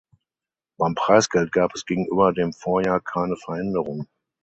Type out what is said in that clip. Beim Preisgeld gab es gegenüber dem Vorjahr keine Veränderung.